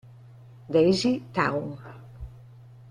Daisy Town